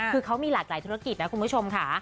คือเขามีหลากหลายธุรกิจนะคุณผู้ชมค่ะ